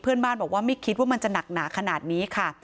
เพื่อนบ้านบอกว่าไม่คิดว่ามันจะหนักหนาขนาดนี้ค่ะ